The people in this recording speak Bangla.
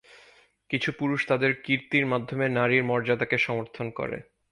কিছু পুরুষ তাদের কীর্তির মাধ্যমে নারীর মর্যাদাকে সমর্থন করে।